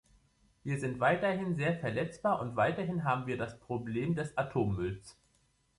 Wir sind weiterhin sehr verletzbar, und weiterhin haben wir das Problem des Atommülls.